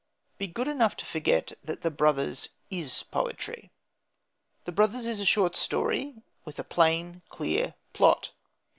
Be good enough to forget that The Brothers is poetry. The Brothers is a short story, with a plain, clear plot.